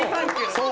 そう。